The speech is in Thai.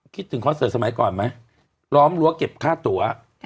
คิดถึงคอนเสิร์ตสมัยก่อนไหมล้อมรั้วเก็บค่าตัว